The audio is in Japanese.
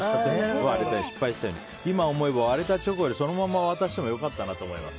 今思えば割れたチョコよりそのまま渡せばよかったなと思います。